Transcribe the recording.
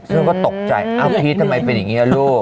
ซึ่งก็ตกใจเอ้าพีชทำไมเป็นอย่างนี้ลูก